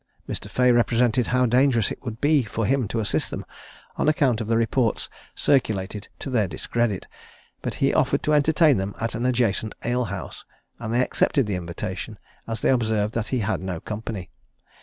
Mr. Fea represented how dangerous it would be for him to assist them, on account of the reports circulated to their discredit; but he offered to entertain them at an adjacent ale house; and they accepted the invitation, as they observed that he had no company.